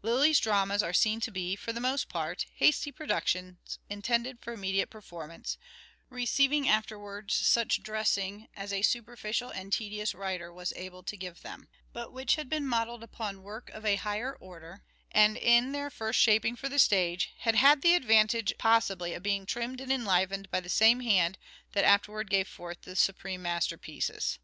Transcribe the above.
Lyly's dramas are seen to be, for the most part, hasty productions intended for immediate performance ; receiving after wards such dressing as a " superficial and tedious " writer was able to give them ; but which had been modelled upon work of a higher order, and, in their first shaping for the stage, had had the advantage possibly of being trimmed and enlivened by the same hand that afterwards gave forth the supreme master pieces.